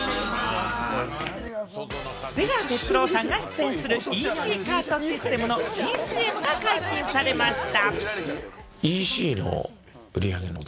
出川哲朗さんが出演するＥＣカートシステムの新ＣＭが解禁されました。